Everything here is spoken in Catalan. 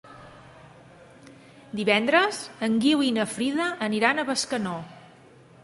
Divendres en Guiu i na Frida aniran a Bescanó.